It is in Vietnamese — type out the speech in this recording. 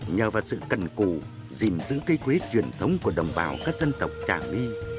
nhờ vào sự cần củ gìn giữ cây quế truyền thống của đồng bào các dân tộc trả my